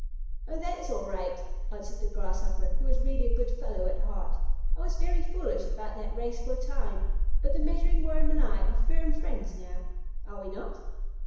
"Oh, that is all right," answered the Grasshopper, who was really a good fellow at heart; "I was very foolish about that race for a time, but the Measuring Worm and I are firm friends now. Are we not?"